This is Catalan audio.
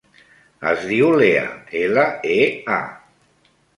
Es diu Lea: ela, e, a.